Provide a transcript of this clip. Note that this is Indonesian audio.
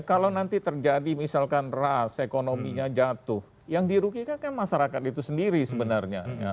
kalau nanti terjadi misalkan ras ekonominya jatuh yang dirugikan kan masyarakat itu sendiri sebenarnya